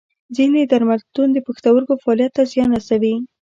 ځینې درمل د پښتورګو فعالیت ته زیان رسوي.